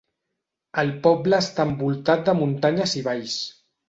El poble està envoltat de muntanyes i valls.